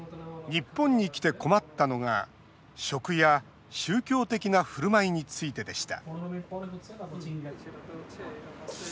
日本に来て困ったのが食や宗教的なふるまいについてでした。